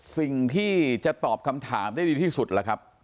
สิ่งที่จะตอบคำถามได้ดีที่สุดล่ะครับ